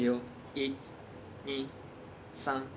１２３。